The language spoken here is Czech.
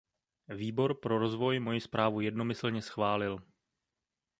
Výbor pro rozvoj moji zprávu jednomyslně schválil.